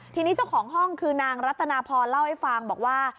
ทีนี้เจ้าของห้องคือนางรัตนาพรเล่าให้ฟังบอกว่า